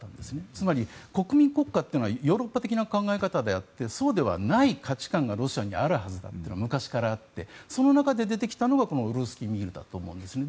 つまり、国民国家っていうのはヨーロッパ的な考えであってそうではない価値観がロシアにはあるはずだというのが昔からあってその中で出てきたのがこのルースキー・ミールだと思うんですね。